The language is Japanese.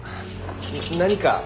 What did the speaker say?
何か？